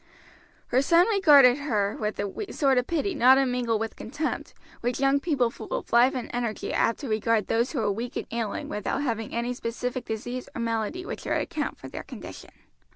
Her son regarded her with the sort of pity, not unmingled with contempt, with which young people full of life and energy are apt to regard those who are weak and ailing without having any specific disease or malady which would account for their condition.